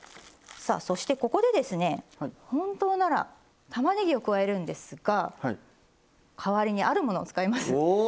そして、ここで本当ならたまねぎを加えるんですが代わりに、あるものを使います。